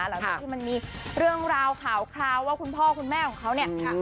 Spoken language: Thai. หลังจากที่มันมีเรื่องราวข่าวคราวว่าคุณพ่อคุณแม่ของเขาเนี่ย